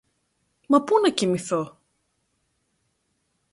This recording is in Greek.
Μα πού να κοιμηθώ!